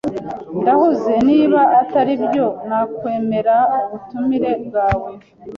Ndahuze. Niba ataribyo, nakwemera ubutumire bwawe.